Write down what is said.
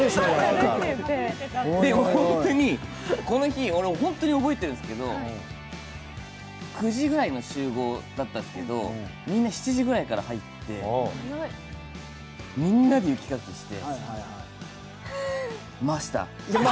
でも、この日、本当に覚えているんですけど、９時ぐらいの集合だったですけど、みんな７時ぐらいから入って、みんなで雪かきしてました。